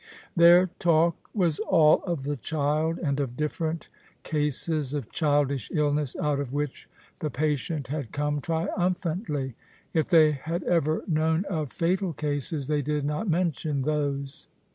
Their talk was all of the child, and of different cases of childish illness out of which the patient had come triumphantly. If they had ever known of fatal cases they did not mention those.